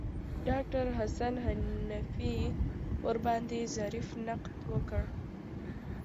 ډاکتر حسن حنفي ورباندې ظریف نقد وکړ.